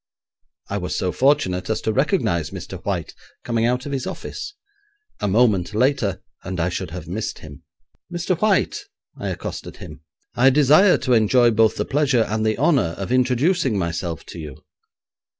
I was so fortunate as to recognise Mr. White coming out of his office. A moment later, and I should have missed him. 'Mr. White,' I accosted him, 'I desire to enjoy both the pleasure and the honour of introducing myself to you.'